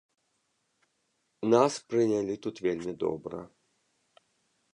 Нас прынялі тут вельмі добра.